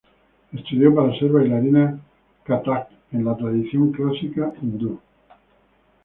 Estudió para ser bailarina Kathak en la tradición clásica hindú.